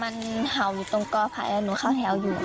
มามันเห่านี่ตรงก้อไฟเราเข้าแถวอยู่